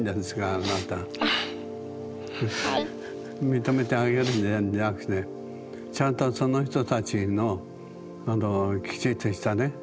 認めてあげるじゃなくてちゃんとその人たちのきちっとしたね